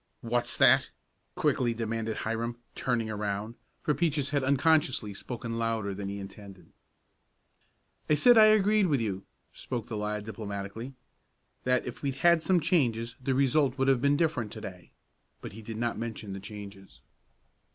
"What's that?" quickly demanded Hiram, turning around, for Peaches had unconsciously spoken louder than he intended. "I said I agreed with you," spoke the lad diplomatically, "that if we'd had some changes the result would have been different to day," but he did not mention the changes.